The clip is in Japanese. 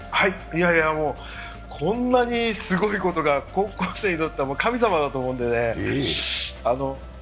こんなにすごいことが高校生にとっては神様だと思うんでね。